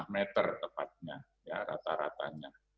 lima meter tepatnya ya rata ratanya